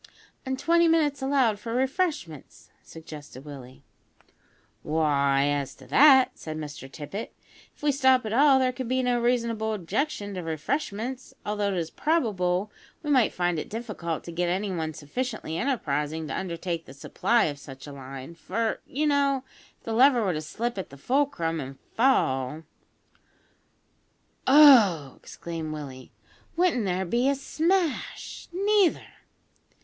"An' twenty minutes allowed for refreshments," suggested Willie. "Why, as to that," said Mr Tippet, "if we stop at all, there could be no reasonable objection to refreshments, although it is probable we might find it difficult to get anyone sufficiently enterprising to undertake the supply of such a line; for, you know, if the lever were to slip at the fulcrum and fall " "Oh!" exclaimed Willie, "wouldn't there be a smash; neither!"